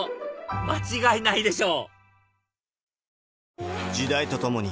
間違いないでしょう